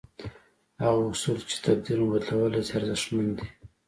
هغه اصول چې تقدير مو بدلولای شي ارزښتمن دي.